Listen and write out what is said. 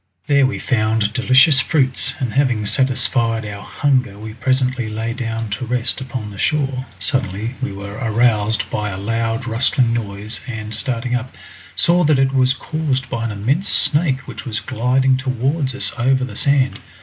There we found delicious fruits, and having satisfied our hunger we presently lay down to rest upon the shore. Suddenly we were aroused by a loud rustling noise, and starting up, saw that it was caused by an immense snake which was gliding towards us over the sand.